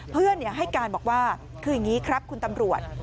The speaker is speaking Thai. เพื่อนให้การบอกว่าคือยังนี้ครับคุณตำรวจ